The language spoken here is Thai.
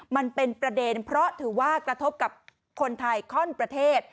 มันเป็นประเด็นเพราะถือว่ากระทบกับคนไทยข้อนประเทศ